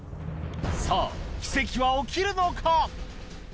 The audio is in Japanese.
さぁ奇跡は起きるのか？